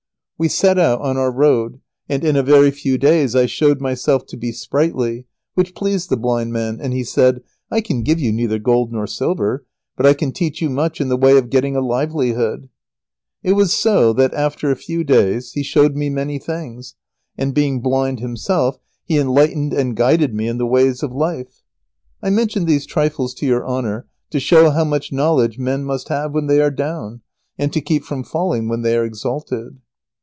We set out on our road, and in a very few days I showed myself to be sprightly, which pleased the blind man, and he said, "I can give you neither gold nor silver, but I can teach you much in the ways of getting a livelihood." [Sidenote: Wonderful sagacity and cleverness of the blind man.] It was so that, after a few days, he showed me many things, and being blind himself, he enlightened and guided me in the ways of life. I mention these trifles to your Honour to show how much knowledge men must have when they are down, and to keep from falling when they are exalted.